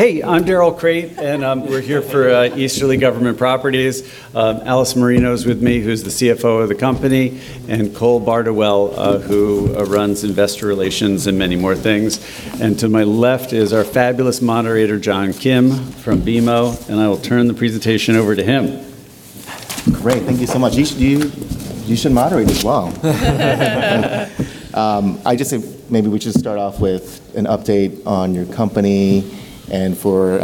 Hey, I'm Darrell Crate, and we're here for Easterly Government Properties. Allison Marino's with me, who's the CFO of the company, and Cole Bardawil, who runs investor relations and many more things. To my left is our fabulous moderator, John Kim, from BMO, and I will turn the presentation over to him. Great. Thank you so much. You should moderate as well. I just think maybe we should start off with an update on your company and for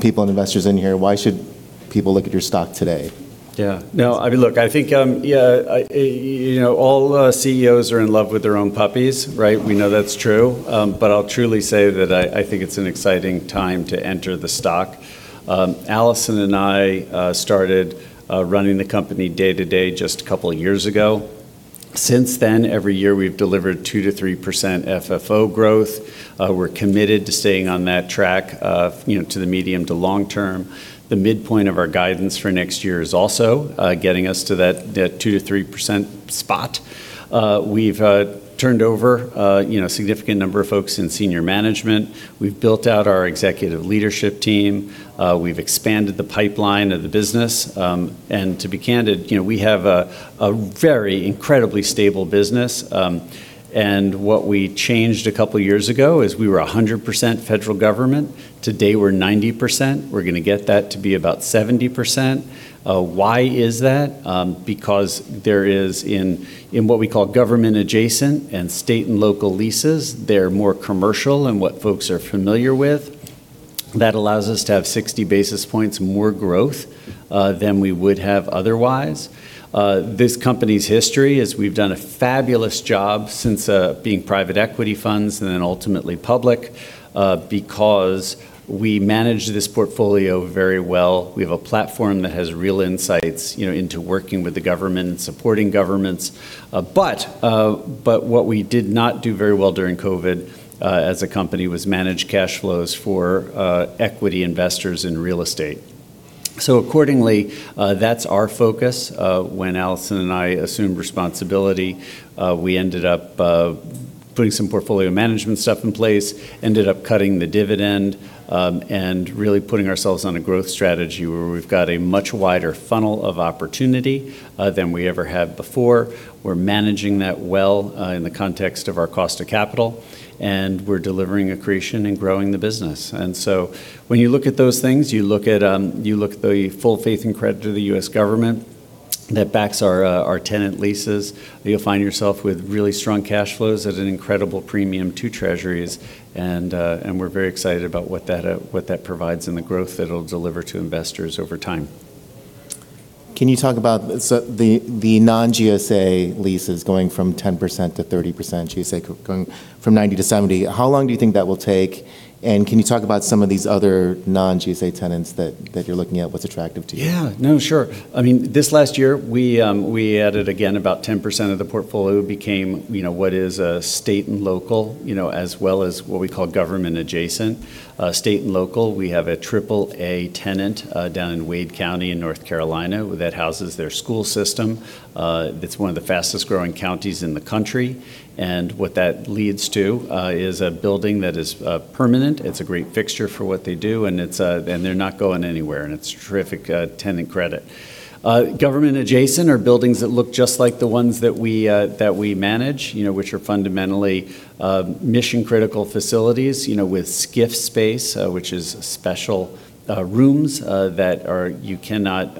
people and investors in here, why should people look at your stock today? Yeah. No, look, I think all CEOs are in love with their own puppies. We know that's true. I'll truly say that I think it's an exciting time to enter the stock. Allison and I started running the company day-to-day just a couple of years ago. Since then, every year, we've delivered 2%-3% FFO growth. We're committed to staying on that track to the medium to long term. The midpoint of our guidance for next year is also getting us to that 2%-3% spot. We've turned over a significant number of folks in senior management. We've built out our executive leadership team. We've expanded the pipeline of the business. To be candid, we have a very incredibly stable business. What we changed a couple of years ago is we were 100% federal government. Today, we're 90%. We're going to get that to be about 70%. Why is that? There is in what we call government adjacent and state and local leases, they're more commercial and what folks are familiar with. That allows us to have 60 basis points more growth than we would have otherwise. This company's history is we've done a fabulous job since being private equity funds and then ultimately public, because we managed this portfolio very well. We have a platform that has real insights into working with the government and supporting governments. What we did not do very well during COVID, as a company, was manage cash flows for equity investors in real estate. Accordingly, that's our focus. When Allison and I assumed responsibility, we ended up putting some portfolio management stuff in place, ended up cutting the dividend, and really putting ourselves on a growth strategy where we've got a much wider funnel of opportunity than we ever have before. We're managing that well in the context of our cost of capital, and we're delivering accretion and growing the business. When you look at those things, you look at the full faith and credit to the U.S. government that backs our tenant leases. You'll find yourself with really strong cash flows at an incredible premium to Treasuries, and we're very excited about what that provides and the growth it'll deliver to investors over time. Can you talk about the non-GSA leases going from 10%-30% GSA, going from 90%-70%? How long do you think that will take, and can you talk about some of these other non-GSA tenants that you're looking at? What's attractive to you? Yeah. No, sure. This last year, we added again, about 10% of the portfolio became what is state and local, as well as what we call government adjacent. State and local, we have a triple A tenant down in Wake County in North Carolina that houses their school system. It's one of the fastest-growing counties in the country. What that leads to is a building that is permanent. It's a great fixture for what they do, they're not going anywhere, it's terrific tenant credit. Government adjacent are buildings that look just like the ones that we manage, which are fundamentally mission-critical facilities with SCIF space, which is special rooms that you cannot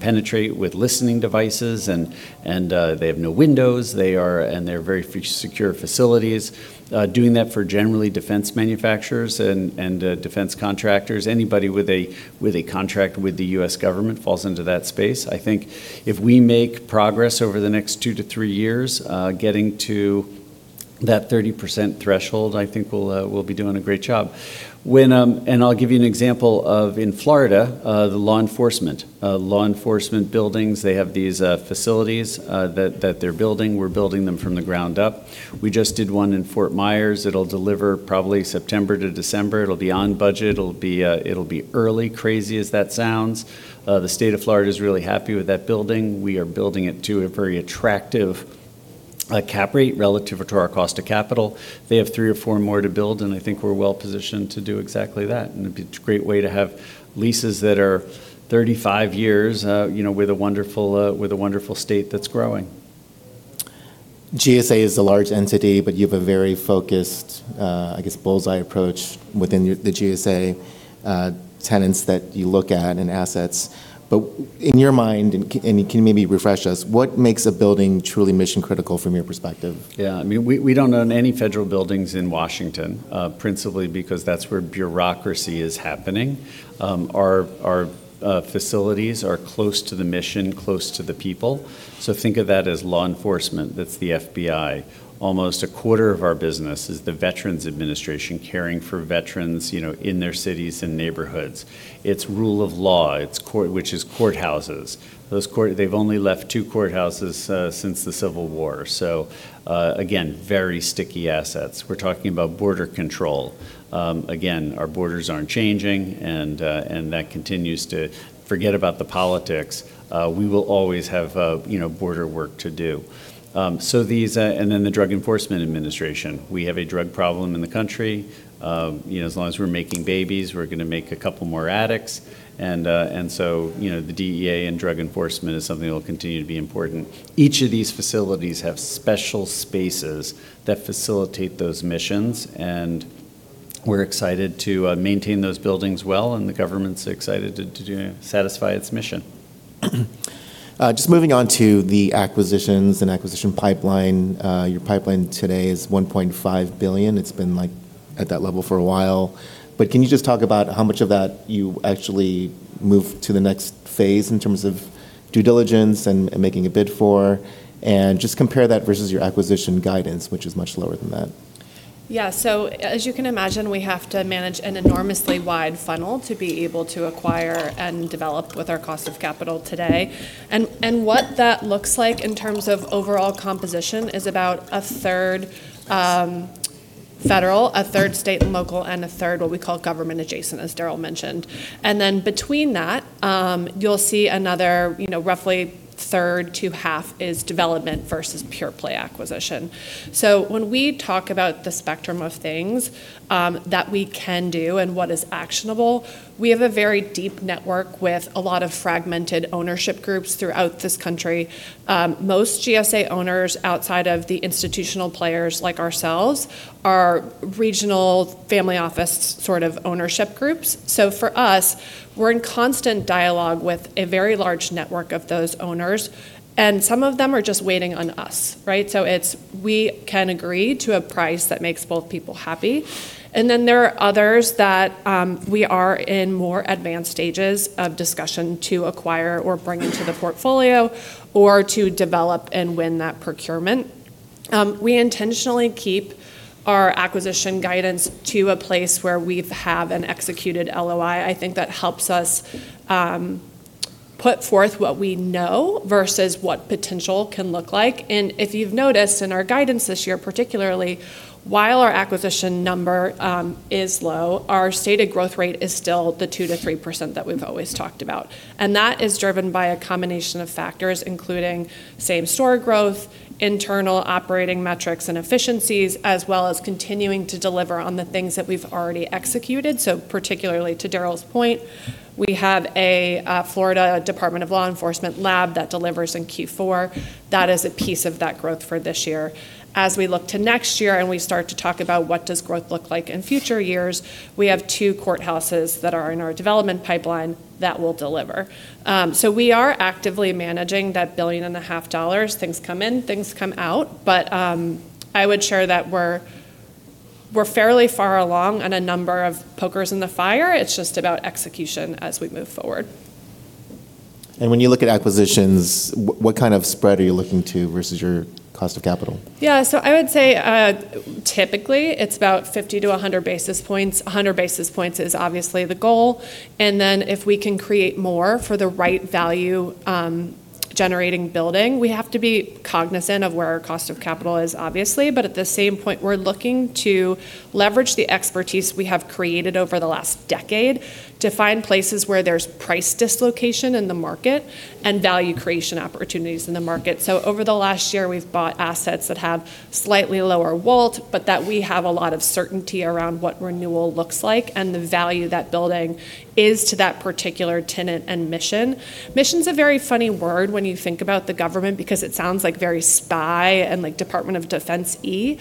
penetrate with listening devices, they have no windows. They're very secure facilities. Doing that for generally defense manufacturers and defense contractors. Anybody with a contract with the U.S. government falls into that space. I think if we make progress over the next two to three years, getting to that 30% threshold, I think we'll be doing a great job. I'll give you an example of in Florida, the law enforcement buildings. They have these facilities that they're building. We're building them from the ground up. We just did one in Fort Myers. It'll deliver probably September to December. It'll be on budget. It'll be early, crazy as that sounds. The state of Florida's really happy with that building. We are building it to a very attractive cap rate relative to our cost of capital. They have three or four more to build, and I think we're well-positioned to do exactly that, and it'd be a great way to have leases that are 35 years with a wonderful state that's growing. GSA is a large entity, but you have a very focused bullseye approach within the GSA tenants that you look at and assets. In your mind, and can you maybe refresh us, what makes a building truly mission-critical from your perspective? Yeah. We don't own any federal buildings in Washington, principally because that's where bureaucracy is happening. Our facilities are close to the mission, close to the people. Think of that as law enforcement. That's the FBI. Almost a quarter of our business is the Veterans Administration caring for veterans in their cities and neighborhoods. It's rule of law, which is courthouses. They've only left two courthouses since the Civil War. Again, very sticky assets. We're talking about border control. Again, our borders aren't changing. Forget about the politics. We will always have border work to do. The Drug Enforcement Administration. We have a drug problem in the country. As long as we're making babies, we're going to make a couple more addicts. The DEA and drug enforcement is something that will continue to be important. Each of these facilities have special spaces that facilitate those missions. We're excited to maintain those buildings well, and the government's excited to satisfy its mission. Just moving on to the acquisitions and acquisition pipeline. Your pipeline today is $1.5 billion. It's been at that level for a while. Can you just talk about how much of that you actually move to the next phase in terms of due diligence and making a bid for, and just compare that versus your acquisition guidance, which is much lower than that? Yeah. As you can imagine, we have to manage an enormously wide funnel to be able to acquire and develop with our cost of capital today. What that looks like in terms of overall composition is about a third federal, a third state and local, and a third what we call government adjacent, as Darrell mentioned. Between that, you'll see another roughly third to half is development versus pure play acquisition. When we talk about the spectrum of things that we can do and what is actionable, we have a very deep network with a lot of fragmented ownership groups throughout this country. Most GSA owners outside of the institutional players like ourselves are regional family office sort of ownership groups. For us, we're in constant dialogue with a very large network of those owners, and some of them are just waiting on us. Right. It's we can agree to a price that makes both people happy. Then there are others that we are in more advanced stages of discussion to acquire or bring into the portfolio or to develop and win that procurement. We intentionally keep our acquisition guidance to a place where we have an executed LOI. I think that helps us put forth what we know versus what potential can look like. If you've noticed in our guidance this year, particularly while our acquisition number is low, our stated growth rate is still the 2%-3% that we've always talked about. That is driven by a combination of factors, including same store growth, internal operating metrics and efficiencies, as well as continuing to deliver on the things that we've already executed. Particularly to Darrell's point, we have a Florida Department of Law Enforcement lab that delivers in Q4. That is a piece of that growth for this year. We look to next year and we start to talk about what does growth look like in future years, we have two courthouses that are in our development pipeline that will deliver. We are actively managing that $1.5 billion. Things come in, things come out. I would share that we're fairly far along on a number of pokers in the fire. It's just about execution as we move forward, When you look at acquisitions, what kind of spread are you looking to versus your cost of capital? Yeah. I would say, typically it's about 50 to 100 basis points. 100 basis points is obviously the goal. If we can create more for the right value-generating building, we have to be cognizant of where our cost of capital is, obviously. At the same point, we're looking to leverage the expertise we have created over the last decade to find places where there's price dislocation in the market and value creation opportunities in the market. Over the last year, we've bought assets that have slightly lower WALT, but that we have a lot of certainty around what renewal looks like and the value that building is to that particular tenant and mission. Mission's a very funny word when you think about the government because it sounds very spy and Department of Defense-y.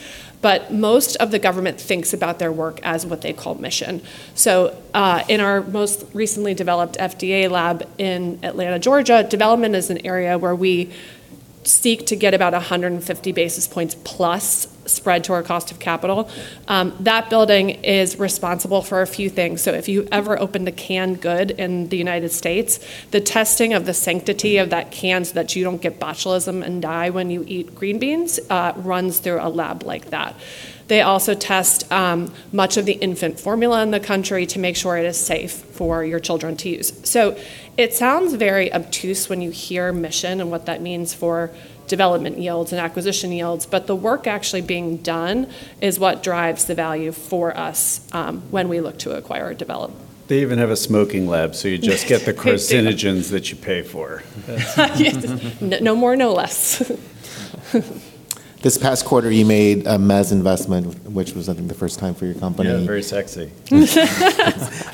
Most of the government thinks about their work as what they call mission. In our most recently developed FDA lab in Atlanta, Georgia, development is an area where we seek to get about 150 basis points plus spread to our cost of capital. That building is responsible for a few things. If you ever open a canned good in the United States, the testing of the sanctity of that can so that you don't get botulism and die when you eat green beans runs through a lab like that. They also test much of the infant formula in the country to make sure it is safe for your children to use. It sounds very obtuse when you hear mission and what that means for development yields and acquisition yields, but the work actually being done is what drives the value for us when we look to acquire or develop. They even have a smoking lab, so you just get the carcinogens that you pay for. No more, no less. This past quarter, you made a mezz investment, which was, I think, the first time for your company. Yeah, very sexy.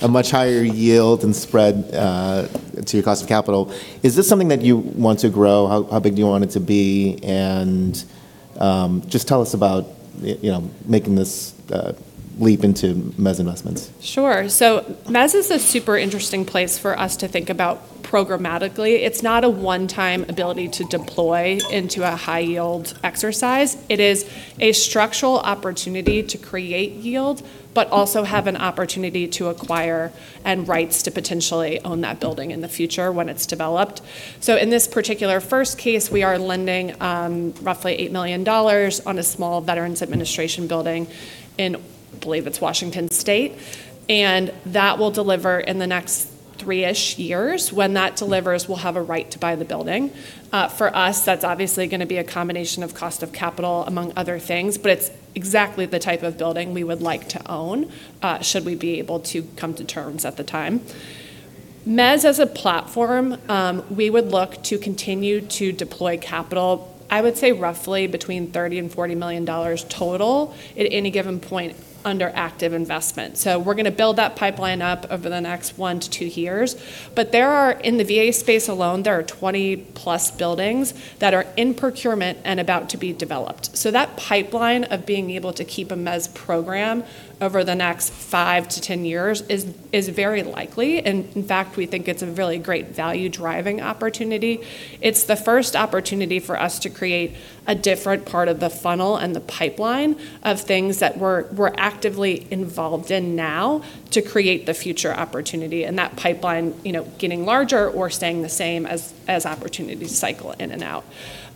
A much higher yield and spread to your cost of capital. Is this something that you want to grow? How big do you want it to be? Just tell us about making this leap into mezz investments. Sure. Mezz is a super interesting place for us to think about programmatically. It's not a one-time ability to deploy into a high-yield exercise. It is a structural opportunity to create yield, but also have an opportunity to acquire and rights to potentially own that building in the future when it's developed. In this particular first case, we are lending roughly $8 million on a small Veterans Administration building in, I believe it's Washington State, and that will deliver in the next three-ish years. When that delivers, we'll have a right to buy the building. For us, that's obviously going to be a combination of cost of capital, among other things, but it's exactly the type of building we would like to own should we be able to come to terms at the time. Mezz as a platform, we would look to continue to deploy capital, I would say roughly between $30 million and $40 million total at any given point under active investment. We're going to build that pipeline up over the next one to two years. In the VA space alone, there are 20+ buildings that are in procurement and about to be developed. That pipeline of being able to keep a mezz program over the next five to ten years is very likely, and in fact, we think it's a really great value-driving opportunity. It's the first opportunity for us to create a different part of the funnel and the pipeline of things that we're actively involved in now to create the future opportunity, and that pipeline getting larger or staying the same as opportunities cycle in and out.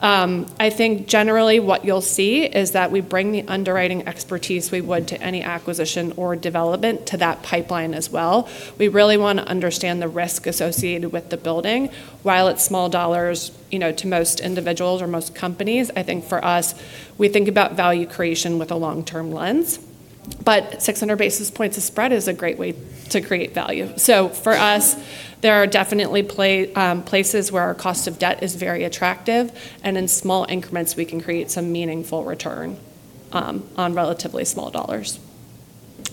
I think generally what you'll see is that we bring the underwriting expertise we would to any acquisition or development to that pipeline as well. We really want to understand the risk associated with the building. While it's small dollars to most individuals or most companies, I think for us, we think about value creation with a long-term lens. 600 basis points of spread is a great way to create value. For us, there are definitely places where our cost of debt is very attractive, and in small increments, we can create some meaningful return on relatively small dollars.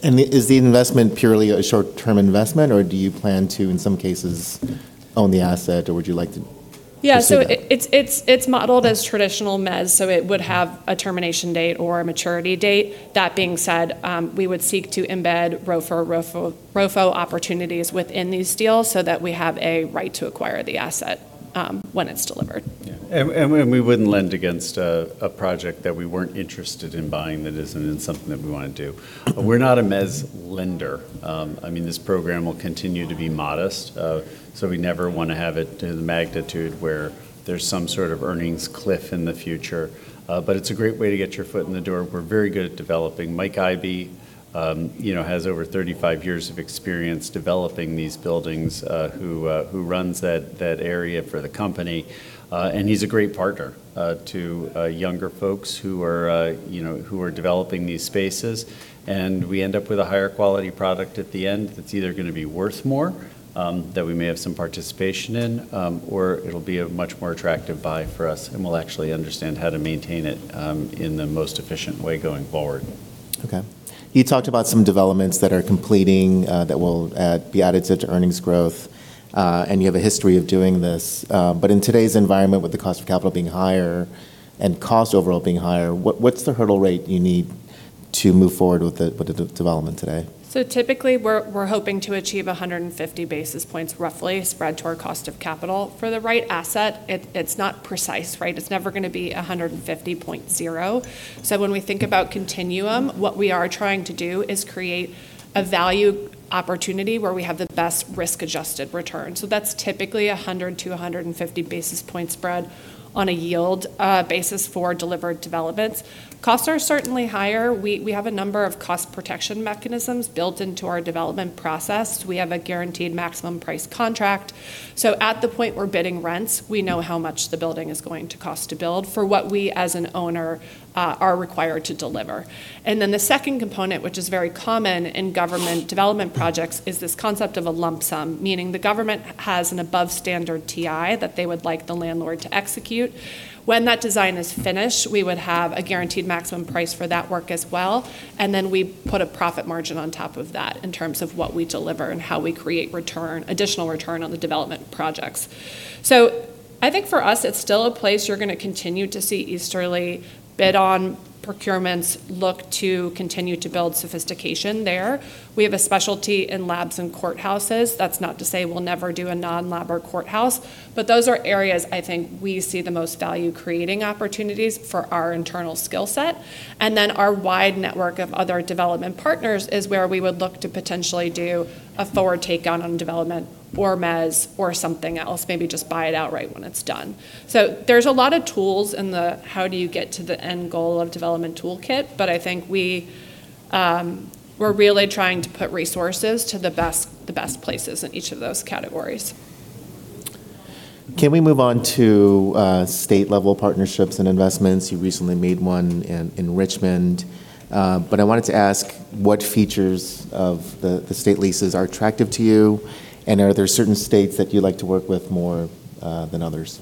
Is the investment purely a short-term investment, or do you plan to, in some cases, own the asset, or would you like to pursue that? Yeah. It's modeled as traditional mezz, so it would have a termination date or a maturity date. That being said, we would seek to embed ROFO opportunities within these deals so that we have a right to acquire the asset when it's delivered. Yeah. We wouldn't lend against a project that we weren't interested in buying that isn't in something that we want to do. We're not a mezz lender. This program will continue to be modest. We never want to have it in the magnitude where there's some sort of earnings cliff in the future. It's a great way to get your foot in the door. We're very good at developing. Michael Ibe has over 35 years of experience developing these buildings, who runs that area for the company. He's a great partner to younger folks who are developing these spaces. We end up with a higher quality product at the end that's either going to be worth more, that we may have some participation in, or it'll be a much more attractive buy for us, and we'll actually understand how to maintain it in the most efficient way going forward. Okay. You talked about some developments that are completing that will be added to earnings growth. You have a history of doing this. In today's environment, with the cost of capital being higher and cost overall being higher, what's the hurdle rate you need to move forward with the development today? Typically, we're hoping to achieve 150 basis points, roughly, spread to our cost of capital. For the right asset, it's not precise. It's never going to be 150.0. When we think about continuum, what we are trying to do is create a value opportunity where we have the best risk-adjusted return. That's typically 100 to 150 basis point spread on a yield basis for delivered developments. Costs are certainly higher. We have a number of cost protection mechanisms built into our development process. We have a guaranteed maximum price contract. At the point we're bidding rents, we know how much the building is going to cost to build for what we, as an owner, are required to deliver. The second component, which is very common in government development projects, is this concept of a lump sum, meaning the government has an above-standard TI that they would like the landlord to execute. When that design is finished, we would have a guaranteed maximum price for that work as well, we put a profit margin on top of that in terms of what we deliver and how we create additional return on the development projects. I think for us, it's still a place you're going to continue to see Easterly bid on procurements, look to continue to build sophistication there. We have a specialty in labs and courthouses. That's not to say we'll never do a non-lab or courthouse, but those are areas I think we see the most value-creating opportunities for our internal skill set. Our wide network of other development partners is where we would look to potentially do a forward take-on on development or mezz or something else, maybe just buy it outright when it's done. There's a lot of tools in the how do you get to the end goal of development toolkit, but I think we're really trying to put resources to the best places in each of those categories. Can we move on to state-level partnerships and investments? You recently made one in Richmond. I wanted to ask what features of the state leases are attractive to you, and are there certain states that you like to work with more than others?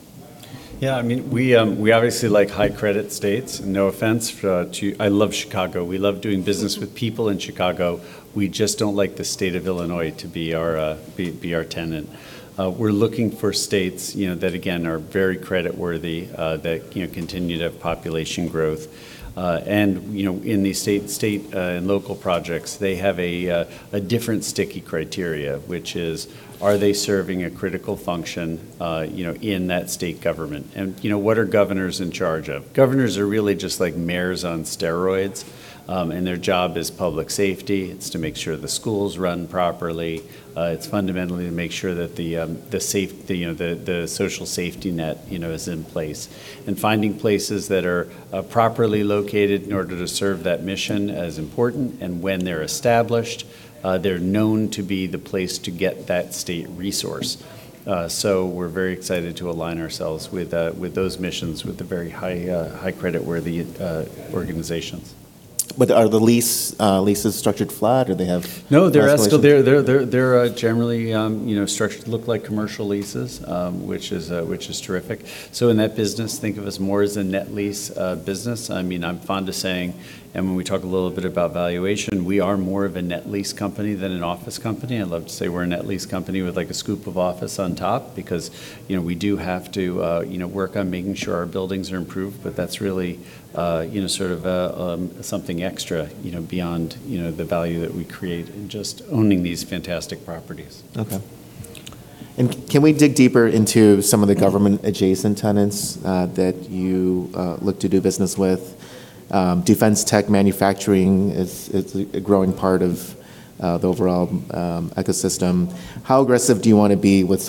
Yeah. We obviously like high-credit states. No offense. I love Chicago. We love doing business with people in Chicago. We just don't like the state of Illinois to be our tenant. We're looking for states that, again, are very creditworthy, that continue to have population growth. In these state and local projects, they have a different sticky criteria, which is, are they serving a critical function in that state government? What are governors in charge of? Governors are really just like mayors on steroids, and their job is public safety. It's to make sure the schools run properly. It's fundamentally to make sure that the social safety net is in place. Finding places that are properly located in order to serve that mission is important, and when they're established, they're known to be the place to get that state resource. We're very excited to align ourselves with those missions, with the very high creditworthy organizations. Are the leases structured flat or do they have escalations? No, they're generally structured to look like commercial leases, which is terrific. In that business, think of us more as a net lease business. I'm fond of saying, and when we talk a little bit about valuation, we are more of a net lease company than an office company. I love to say we're a net lease company with a scoop of office on top because we do have to work on making sure our buildings are improved. That's really something extra, beyond the value that we create in just owning these fantastic properties. Okay. Can we dig deeper into some of the government-adjacent tenants that you look to do business with? Defense tech manufacturing is a growing part of the overall ecosystem. How aggressive do you want to be with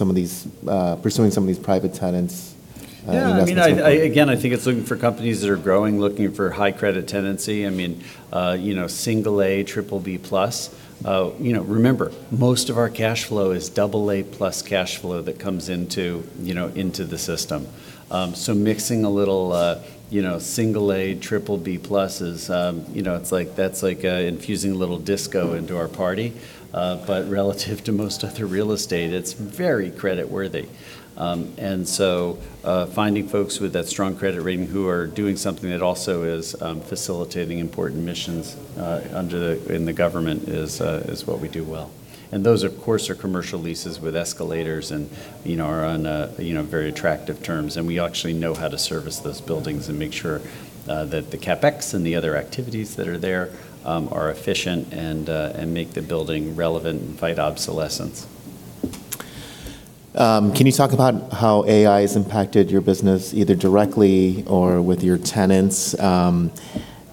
pursuing some of these private tenants investment opportunity? Yeah. Again, I think it's looking for companies that are growing, looking for high credit tenancy. Single A, triple B plus. Remember, most of our cash flow is double A plus cash flow that comes into the system. Mixing a little single A, triple B plus is like infusing a little disco into our party. Relative to most other real estate, it's very credit worthy. Finding folks with that strong credit rating who are doing something that also is facilitating important missions in the government is what we do well. Those, of course, are commercial leases with escalators and are on very attractive terms. We actually know how to service those buildings and make sure that the CapEx and the other activities that are there are efficient and make the building relevant and fight obsolescence. Can you talk about how AI has impacted your business, either directly or with your tenants?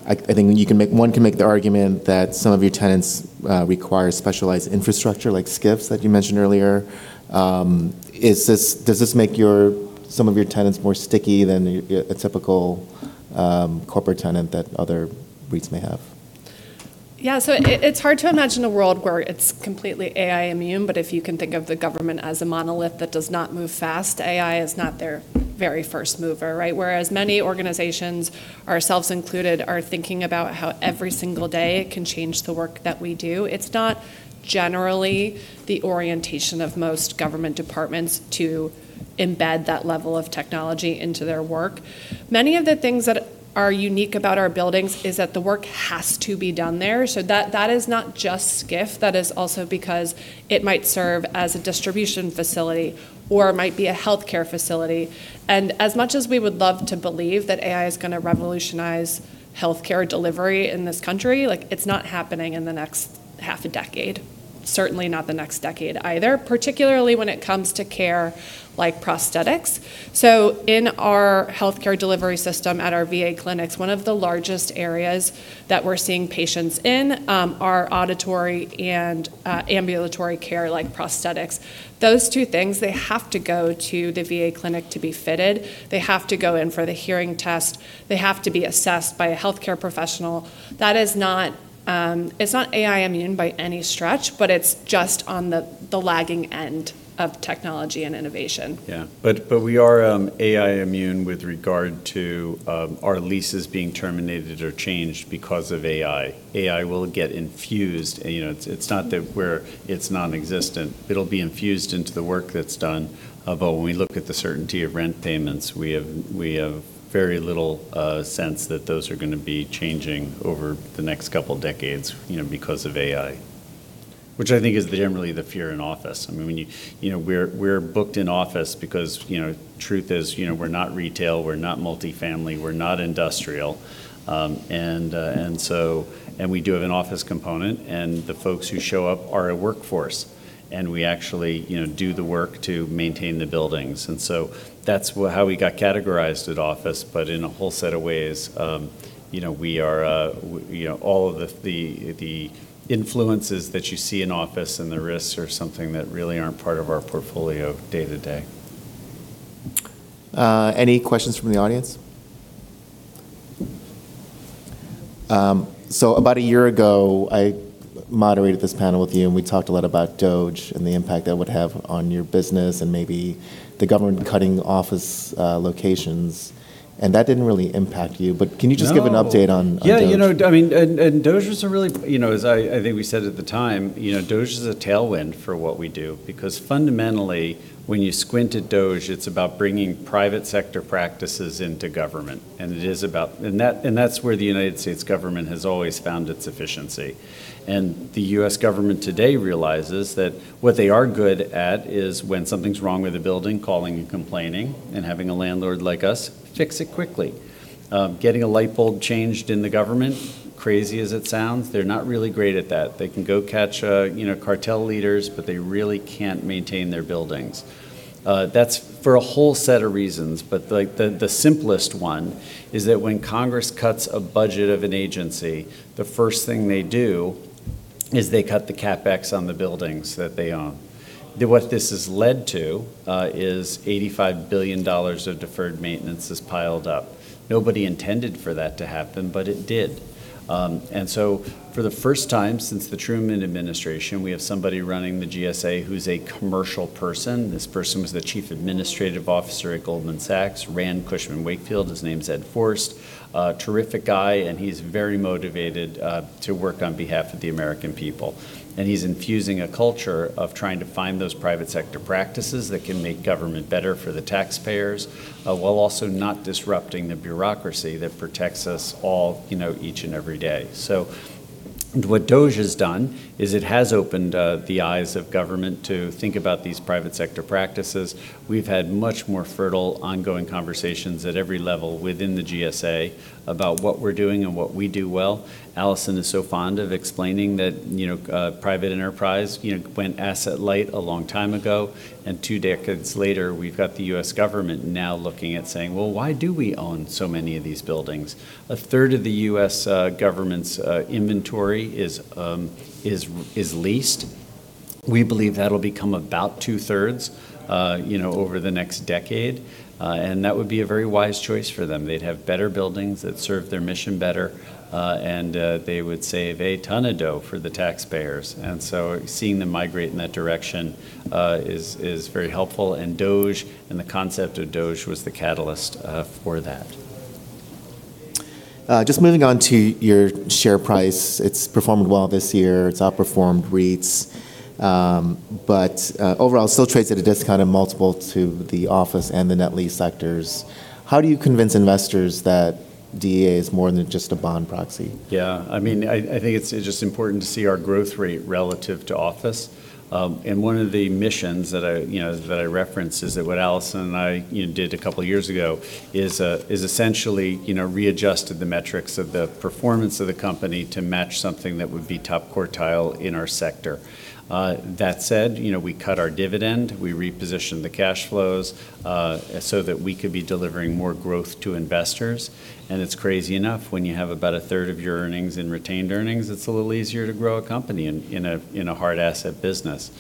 I think one can make the argument that some of your tenants require specialized infrastructure like SCIFs that you mentioned earlier. Does this make some of your tenants more sticky than a typical corporate tenant that other REITs may have? Yeah. It's hard to imagine a world where it's completely AI immune, but if you can think of the government as a monolith that does not move fast, AI is not their very first mover, right? Whereas many organizations, ourselves included, are thinking about how every single day it can change the work that we do. It's not generally the orientation of most government departments to embed that level of technology into their work. Many of the things that are unique about our buildings is that the work has to be done there. That is not just SCIF, that is also because it might serve as a distribution facility or it might be a healthcare facility. As much as we would love to believe that AI is going to revolutionize healthcare delivery in this country, it's not happening in the next half a decade. Certainly not the next decade either. Particularly when it comes to care like prosthetics. In our healthcare delivery system at our VA clinics, one of the largest areas that we're seeing patients in are auditory and ambulatory care like prosthetics. Those two things, they have to go to the VA clinic to be fitted. They have to go in for the hearing test. They have to be assessed by a healthcare professional. It's not AI immune by any stretch, but it's just on the lagging end of technology and innovation. We are AI immune with regard to our leases being terminated or changed because of AI. AI will get infused. It's not that it's nonexistent. It'll be infused into the work that's done. When we look at the certainty of rent payments, we have very little sense that those are going to be changing over the next couple of decades because of AI. Which I think is generally the fear in office. We're booked in office because truth is we're not retail, we're not multifamily, we're not industrial. We do have an office component, and the folks who show up are a workforce, and we actually do the work to maintain the buildings. That's how we got categorized at office. In a whole set of ways, all of the influences that you see in office and the risks are something that really aren't part of our portfolio day to day. Any questions from the audience? About a year ago, I moderated this panel with you, and we talked a lot about DOGE and the impact that would have on your business and maybe the government cutting office locations. That didn't really impact you, but can you just give an update on DOGE? Yeah. As I think we said at the time, DOGE is a tailwind for what we do because fundamentally, when you squint at DOGE, it's about bringing private sector practices into government. That's where the United States government has always found its efficiency. The U.S. government today realizes that what they are good at is when something's wrong with a building, calling and complaining, and having a landlord like us fix it quickly. Getting a light bulb changed in the government, crazy as it sounds, they're not really great at that. They can go catch cartel leaders, but they really can't maintain their buildings. That's for a whole set of reasons. The simplest one is that when Congress cuts a budget of an agency, the first thing they do is they cut the CapEx on the buildings that they own. What this has led to is $85 billion of deferred maintenance has piled up. Nobody intended for that to happen, but it did. For the first time since the Truman administration, we have somebody running the GSA who's a commercial person. This person was the Chief Administrative Officer at Goldman Sachs, ran Cushman & Wakefield. His name's Ed Forst. Terrific guy, and he's very motivated to work on behalf of the American people. He's infusing a culture of trying to find those private sector practices that can make government better for the taxpayers, while also not disrupting the bureaucracy that protects us all each and every day. What DOGE has done is it has opened the eyes of government to think about these private sector practices. We've had much more fertile ongoing conversations at every level within the GSA about what we're doing and what we do well. Allison is so fond of explaining that private enterprise went asset light a long time ago, and two decades later, we've got the U.S. government now looking at saying, well, why do we own so many of these buildings? A third of the U.S. government's inventory is leased. We believe that'll become about two thirds over the next decade. That would be a very wise choice for them. They'd have better buildings that serve their mission better. They would save a ton of dough for the taxpayers. Seeing them migrate in that direction is very helpful. DOGE and the concept of DOGE was the catalyst for that. Just moving on to your share price. It's performed well this year. It's outperformed REITs. Overall, still trades at a discount and multiple to the office and the net lease sectors. How do you convince investors that DEA is more than just a bond proxy? Yeah. I think it's just important to see our growth rate relative to office. One of the missions that I reference is that what Allison and I did a couple of years ago is essentially readjusted the metrics of the performance of the company to match something that would be top quartile in our sector. That said, we cut our dividend, we repositioned the cash flows, so that we could be delivering more growth to investors. It's crazy enough when you have about a third of your earnings in retained earnings, it's a little easier to grow a company in a hard asset business.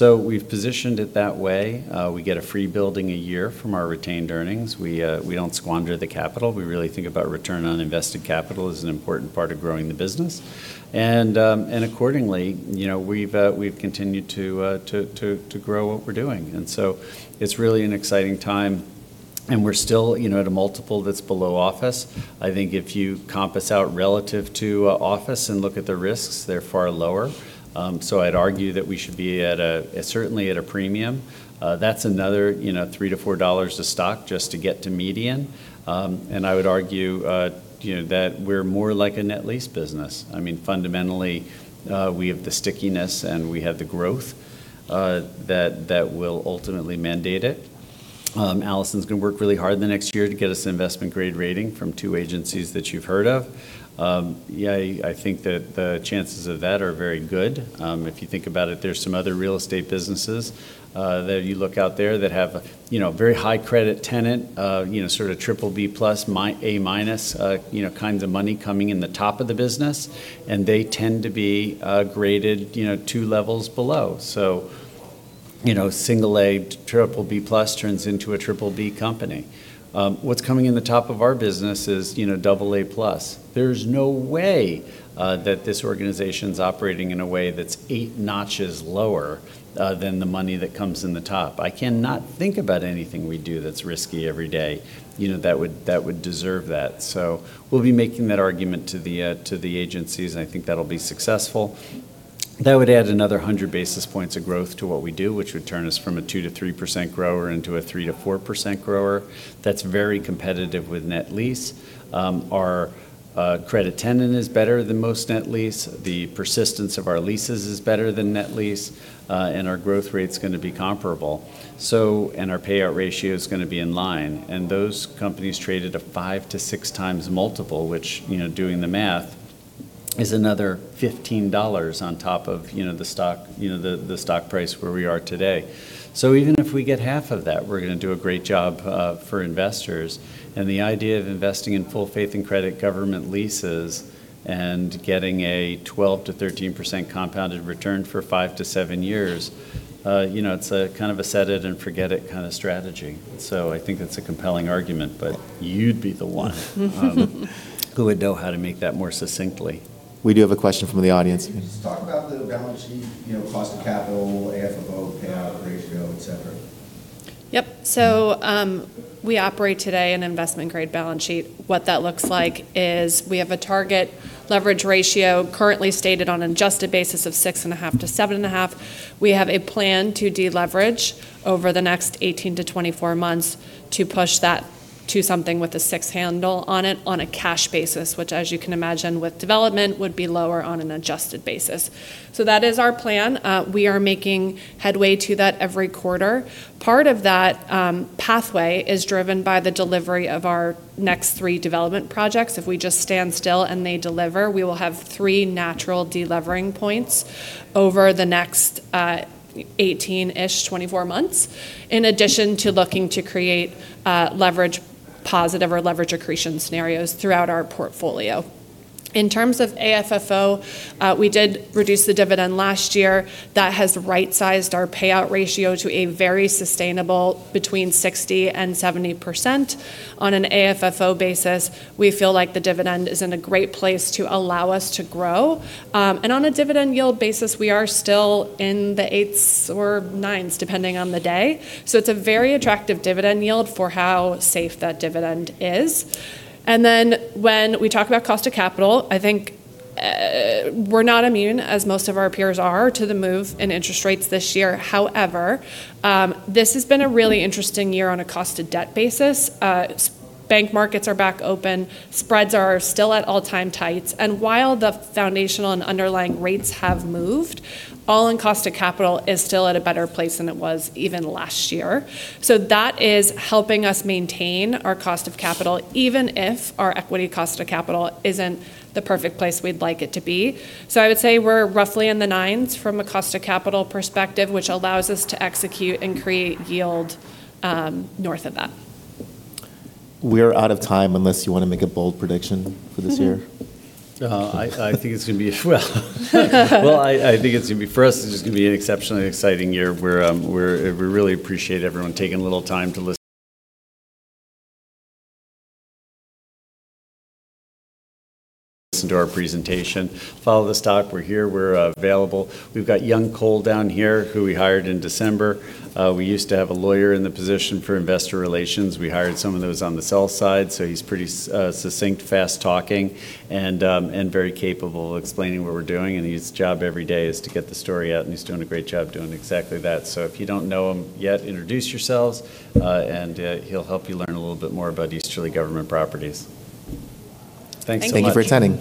We've positioned it that way. We get a free building a year from our retained earnings. We don't squander the capital. We really think about return on invested capital as an important part of growing the business. Accordingly, we've continued to grow what we're doing. It's really an exciting time. We're still at a multiple that's below office. I think if you comp us out relative to office and look at the risks, they're far lower. I'd argue that we should be certainly at a premium. That's another $3-$4 a stock just to get to median. I would argue that we're more like a net lease business. Fundamentally, we have the stickiness and we have the growth that will ultimately mandate it. Allison's going to work really hard in the next year to get us an investment grade rating from two agencies that you've heard of. Yeah, I think that the chances of that are very good. If you think about it, there's some other real estate businesses that you look out there that have very high credit tenant, sort of triple B plus, A minus kinds of money coming in the top of the business, and they tend to be graded two levels below. Single A, triple B plus turns into a triple B company. What's coming in the top of our business is double A plus. There's no way that this organization's operating in a way that's eight notches lower than the money that comes in the top. I cannot think about anything we do that's risky every day that would deserve that. We'll be making that argument to the agencies, and I think that'll be successful. That would add another 100 basis points of growth to what we do, which would turn us from a 2%-3% grower into a 3%-4% grower. That's very competitive with net lease. Our credit tenant is better than most net lease. The persistence of our leases is better than net lease. Our growth rate's going to be comparable. Our payout ratio is going to be in line. Those companies trade at a five to six times multiple, which doing the math is another $15 on top of the stock price where we are today. Even if we get half of that, we're going to do a great job for investors. The idea of investing in full faith and credit government leases and getting a 12%-13% compounded return for five to seven years, it's a kind of a set it and forget it kind of strategy. I think that's a compelling argument, but you'd be the one who would know how to make that more succinctly. We do have a question from the audience. Can you just talk about the balance sheet, cost of capital, AFFO, payout ratio, et cetera? Yep. We operate today an investment grade balance sheet. What that looks like is we have a target leverage ratio currently stated on an adjusted basis of 6.5%-7.5%. We have a plan to deleverage over the next 18-24 months to push that to something with a six handle on it on a cash basis, which as you can imagine with development would be lower on an adjusted basis. That is our plan. We are making headway to that every quarter. Part of that pathway is driven by the delivery of our next three development projects. If we just stand still and they deliver, we will have three natural delevering points over the next 18-ish, 24 months, in addition to looking to create leverage positive or leverage accretion scenarios throughout our portfolio. In terms of AFFO, we did reduce the dividend last year. That has right-sized our payout ratio to a very sustainable between 60%-70%. On an AFFO basis, we feel like the dividend is in a great place to allow us to grow. On a dividend yield basis, we are still in the eights or nines, depending on the day. It's a very attractive dividend yield for how safe that dividend is. When we talk about cost of capital, I think we're not immune as most of our peers are to the move in interest rates this year. However, this has been a really interesting year on a cost to debt basis. Bank markets are back open, spreads are still at all-time tights, and while the foundational and underlying rates have moved, all-in cost of capital is still at a better place than it was even last year. That is helping us maintain our cost of capital, even if our equity cost of capital isn't the perfect place we'd like it to be. I would say we're roughly in the nines from a cost of capital perspective, which allows us to execute and create yield north of that. We're out of time unless you want to make a bold prediction for this year? Well, I think it's going to be, for us, it's just going to be an exceptionally exciting year where we really appreciate everyone taking a little time to listen to our presentation. Follow the stock. We're here, we're available. We've got young Cole down here, who we hired in December. We used to have a lawyer in the position for investor relations. We hired some of those on the sell side, so he's pretty succinct, fast-talking and very capable of explaining what we're doing, and his job every day is to get the story out, and he's doing a great job doing exactly that. If you don't know him yet, introduce yourselves, and he'll help you learn a little bit more about Easterly Government Properties. Thanks so much. Thank you for attending.